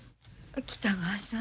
北川さん。